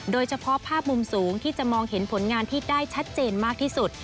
โดยเฉพาะภาพมุมสูงที่จะมองเห็นผลงานที่ได้ชัดเจนมากที่สุด